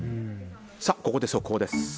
ここで速報です。